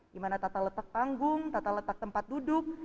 di mana tata letak panggung tata letak tempat duduk